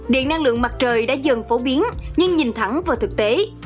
điện năng lượng mặt trời đã dần phổ biến nhưng nhìn thẳng vào thực tế